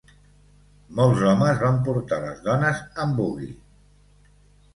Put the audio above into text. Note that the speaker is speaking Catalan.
Molts homes van portar les dones en buggy.